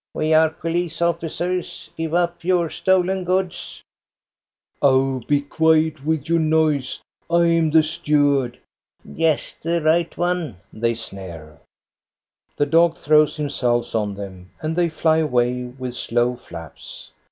" We are police officers. Give up your stolen goods !"" Oh, be quiet with your noise ! I am the stew ard— "" Just the right one," they sneer. The dog throws himself on them, and they fly away with slow flaps.